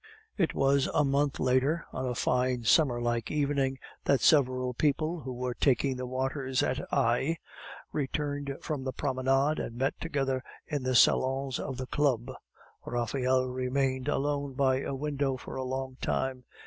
It was a month later, on a fine summer like evening, that several people, who were taking the waters at Aix, returned from the promenade and met together in the salons of the Club. Raphael remained alone by a window for a long time.